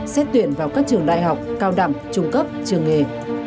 xét tuyển vào các trường đại học cao đẳng trung cấp trường nghề